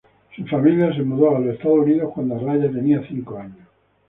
Su familia se mudó a los Estados Unidos cuando Araya tenía cinco años.